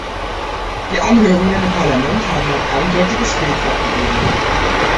Die Anhörungen im Parlament haben ein eindeutiges Bild abgegeben.